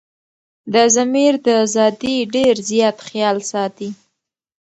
دضمير دازادي ډير زيات خيال ساتي